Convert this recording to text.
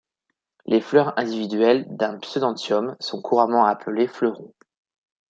Les fleurs individuelles d'un pseudanthium sont couramment appelées fleurons.